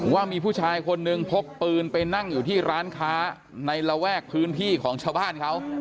ว่ามีผู้ชายคนนึงพกปืนไปนั่งอยู่ที่ร้านค้าในระแวกพื้นที่ของชาวบ้านเขา